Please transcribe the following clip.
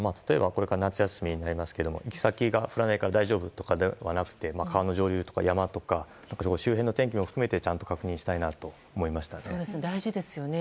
これから夏休みになりますが行き先が降らないから大丈夫とかではなくて川の上流とか山とか周辺の天気も含めてちゃんと確認したいですね。